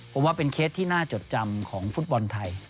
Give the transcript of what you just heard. ผมว่าเป็นเคสที่น่าจดจำของฟุตบอลไทย